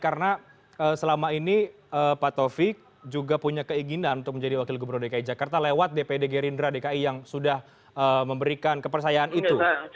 karena selama ini pak taufik juga punya keinginan untuk menjadi wakil gubernur dki jakarta lewat dpd gerindra dki yang sudah memberikan kepercayaan itu